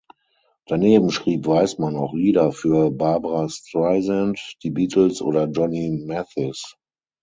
Daneben schrieb Weisman auch Lieder für Barbra Streisand, die Beatles oder Johnny Mathis.